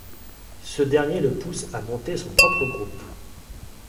Ce dernier le pousse à monter son propre groupe.